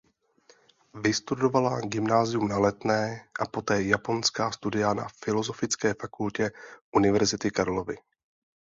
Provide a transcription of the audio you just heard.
Vystudovala gymnázium na Letné a poté japonská studia na Filozofické fakultě Univerzity Karlovy.